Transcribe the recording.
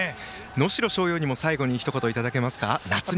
能代松陽にも最後、ひと言伺えますか。